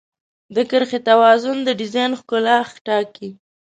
د کرښې توازن د ډیزاین ښکلا ټاکي.